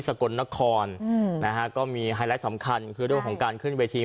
สะกนนครอืมนะฮะก็มีซื้อสำคัญก็คือเรื่องของการขึ้นเวที